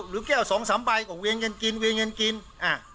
หรือแก้วสองสามใบก็เวียนกันกินเวียนกันกินอ่า